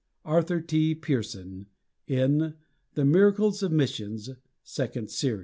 Arthur T. Pierson, in "The Miracles of Missions," second series.